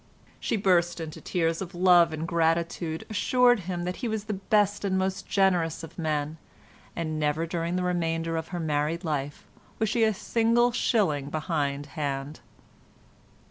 She burst into tears of love and gratitude, assured him that he was the best and most generous of men, and never during the remainder of her married life was she a single shilling behind hand.